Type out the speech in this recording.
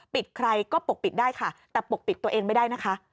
ใครก็ปกปิดได้ค่ะแต่ปกปิดตัวเองไม่ได้นะคะ